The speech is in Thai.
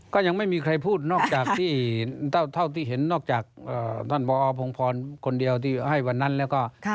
ก็ยังไม่มีใครพูดนอกจากที่เท่าที่เห็นนอกจากท่านบอพงพรคนเดียวที่ให้วันนั้นแล้วก็